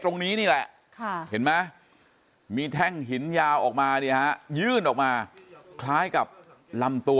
ตรงนี้นี่แหละมีแท่งหินยาวออกมายื่นออกมาคล้ายกับลำตัว